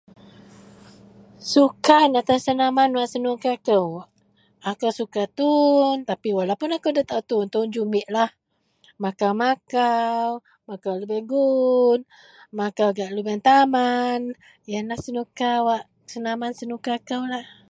Sukan àtau senaman wak senuka kou, akou suka tuwon tapi walau puon akou nda taao tuwon, tuwon jumitlah makau-makau, makau lubeng guwon makau gak lubeng taman, iyenlah senuka wak senaman senuka kou lah.